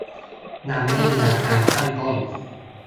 ยังไม่มีอาการข้างต้น